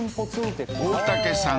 大竹さん